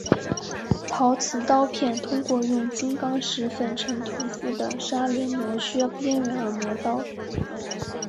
陶瓷刀片通过用金刚石粉尘涂覆的砂轮磨削边缘而磨刀。